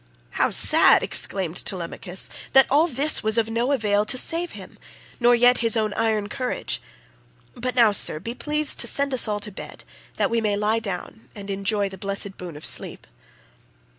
"How sad," exclaimed Telemachus, "that all this was of no avail to save him, nor yet his own iron courage. But now, sir, be pleased to send us all to bed, that we may lie down and enjoy the blessed boon of sleep."